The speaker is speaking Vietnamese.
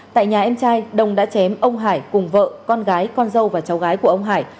tại nhà em trai đồng đã chém ông hải cùng vợ con gái con dâu và cháu gái của ông hải